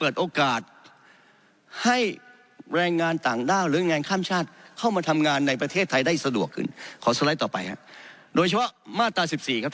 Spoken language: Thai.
โดยชาวมาตร๑๔ครับท่านครับ